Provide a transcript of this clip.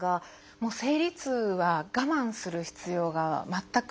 もう生理痛は我慢する必要が全くないので。